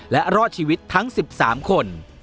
และรอดชีวิตทั้ง๑๓คน